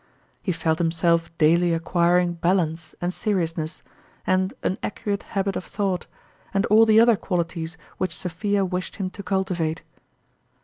He felt himself daily acquiring balance and serious ness, and an accurate habit of thought, and all the other qualities which Sophia wished him to cultivate.